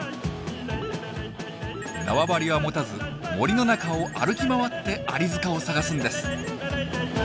縄張りは持たず森の中を歩き回ってアリ塚を探すんです。